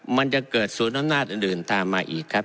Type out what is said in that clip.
มันจะเกิดศูนย์อำนาจอื่นตามมาอีกครับ